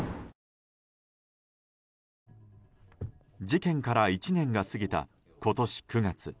事件から１年が過ぎた今年９月。